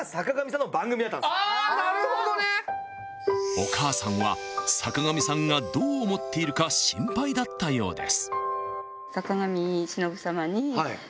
［お母さんは坂上さんがどう思っているか心配だったようです］